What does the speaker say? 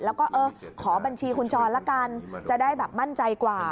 แล้วก็เออขอบัญชีคุณจรละกันจะได้แบบมั่นใจกว่า